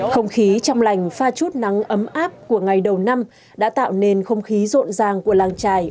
không khí trong lành pha chút nắng ấm áp của ngày đầu năm đã tạo nên không khí rộn ràng của làng trài